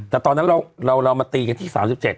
แต่ตอนนั้นเรามาตีกันที่๓๗